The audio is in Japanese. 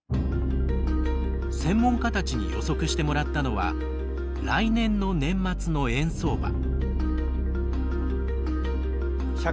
専門家たちに予測してもらったのは来年の年末の円相場。